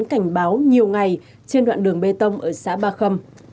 cảnh báo nhiều ngày trên đoạn đường bê tông ở xã ba khâm